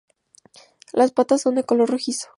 Las patas son de color rojizo.